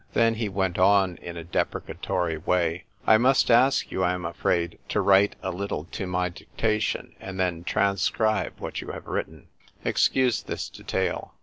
Then he went on in a deprecat^ory way, " I must ask you, I am afraid, to w i . .e a little to my dictation, and then transcribe what you have written. Excuse this detail.